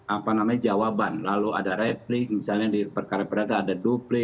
apa namanya jawaban lalu ada replik misalnya di perkara berita ada kosongan di dalam acara ini